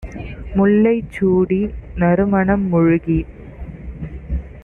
"முல்லை சூடி நறுமணம் முழுகிப்